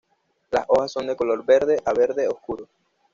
Las hojas son de color verde a verde oscuro.